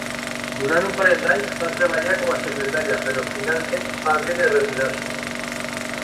Durant un parell d’anys va treballar com a secretaria, però finalment va haver de retirar-se.